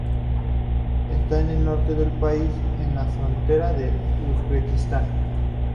Está en el norte del país, en la frontera con Uzbekistán.